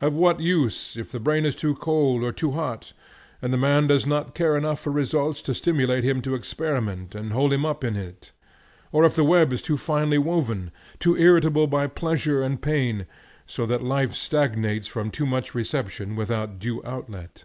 Of what use, if the brain is too cold or too hot, and the man does not care enough for results to stimulate him to experiment, and hold him up in it? or if the web is too finely woven, too irritable by pleasure and pain, so that life stagnates from too much reception without due outlet?